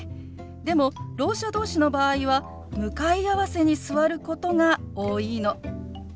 でもろう者同士の場合は向かい合わせに座ることが多いの。